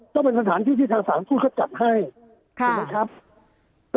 ก็เป็นสถานที่ที่ทางสารทูตเขาจัดให้ถูกไหมครับ